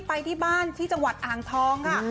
ไปที่บ้านที่จังหวัดอ่างทองค่ะ